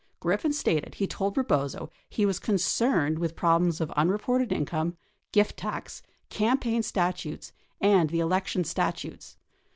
Griffin stated he told Rebozo he Avas con cerned Avith problems of unreported income, gift tax, campaign stat utes, and the election statutes.